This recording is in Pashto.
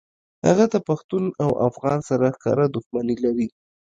هغه د پښتون او افغان سره ښکاره دښمني لري